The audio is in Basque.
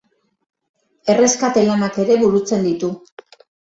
Erreskate lanak ere burutzen ditu.